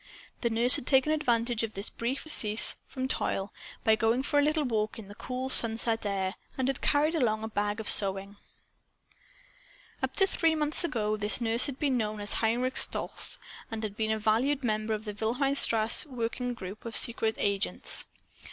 The nurse had taken advantage of this brief surcease from toil, by going for a little walk in the cool sunset air, and had carried along a bag of sewing. Up to three months ago this nurse had been known as Heinrich Stolz, and had been a valued member of the Wilhelmstrasse's workingforce of secret agents.